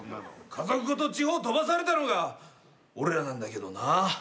家族ごと地方飛ばされたのが俺らなんだけどな。